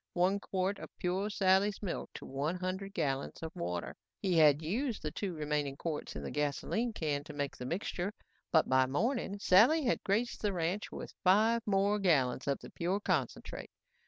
One quart of pure Sally's milk to one hundred gallons of water. He had used the two remaining quarts in the gasoline can to make the mixture but by morning, Sally had graced the ranch with five more gallons of the pure concentrate.